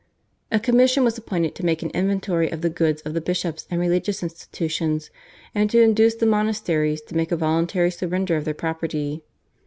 A commission was appointed to make an inventory of the goods of the bishops and religious institutions and to induce the monasteries to make a voluntary surrender of their property.